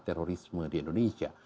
terorisme di indonesia